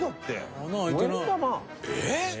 えっ？